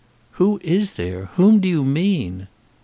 "Who is there? Whom do you mean?"